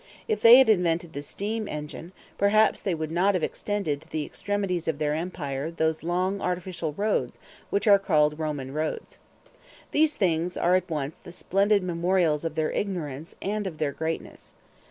If they had invented the steam engine, perhaps they would not have extended to the extremities of their empire those long artificial roads which are called Roman roads. These things are at once the splendid memorials of their ignorance and of their greatness.